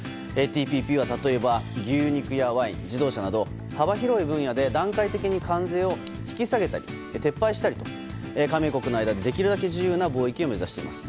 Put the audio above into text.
ＴＰＰは例えば、牛肉やワイン自動車など幅広い分野で段階的に関税を引き下げたり撤廃したりと、加盟国の間でできるだけ自由な貿易を目指しています。